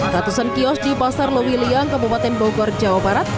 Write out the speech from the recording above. ratusan kios di pasar lewiliang kabupaten bogor jawa barat